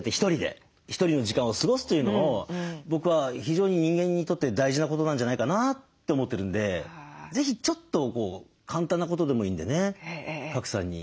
ひとりの時間を過ごすというのを僕は非常に人間にとって大事なことなんじゃないかなって思ってるんで是非ちょっと簡単なことでもいいんでね賀来さんに勧めたいですね。